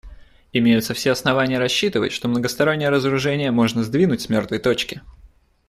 Имеются все основания рассчитывать, что многостороннее разоружение можно сдвинуть с мертвой точки.